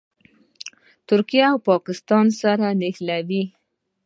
ترکیه او پاکستان سره نښلوي.